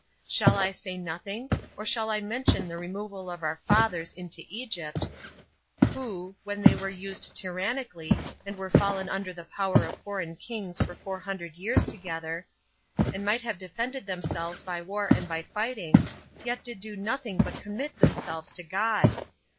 Shall I say nothing, or shall I mention the removal of our fathers into Egypt, who, when they were used tyrannically, and were fallen under the power of foreign kings for four hundred years together, and might have defended themselves by war and by fighting, did yet do nothing but commit themselves to God!